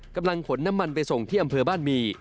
กำลังขนน้ำมันไปส่งที่อำเภอบ้านหมี่